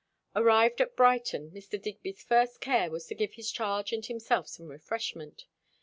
Arrived at Brighton, Mr. Digby's first care was to give his charge and himself some refreshment.